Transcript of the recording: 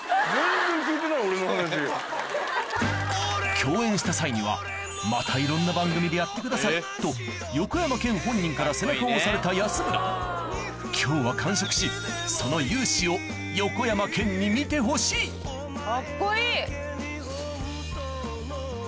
共演した際にはと横山剣本人から背中を押された安村今日は完食しその勇姿を横山剣に見てほしいカッコいい。